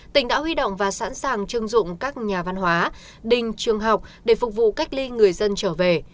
tỉnh đã huy động và sẵn sàng chưng dụng các nhà văn hóa đình trường học để phục vụ cách ly người dân trở về